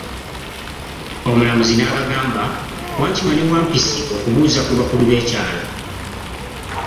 Omulamuzi n'abagamba ,Wankima ne Wampisi okubuuza ku bakulu be kyalo.